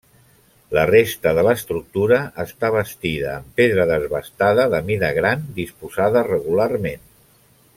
La resta de l'estructura està bastida en pedra desbastada de mida gran, disposada regularment.